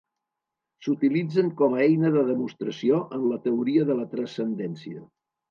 S'utilitzen com a eina de demostració en la teoria de la transcendència.